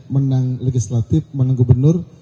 menang legislatif menang gubernur